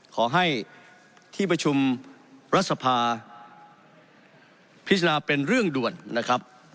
ขอให้ที่ประชุมรัฐสภาพิจารณาเป็นเรื่องด่วนนะครับ